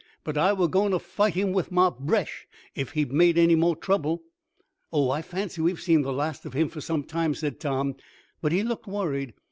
But I were goin' to fight him wif mah bresh, ef he'd made any more trouble." "Oh, I fancy we have seen the last of him for some time," said Tom, but he looked worried.